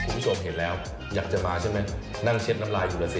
ผู้ชมเห็นลัวอยากจะมาใช่มั้ยนั่งเช็ดน้ำลายอยู่แหละสิ